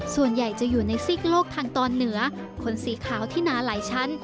ส่วนใหญ่จะอยู่ในซีกโลกทางตอนเหนือคนสีขาวที่หนาหลายชั้น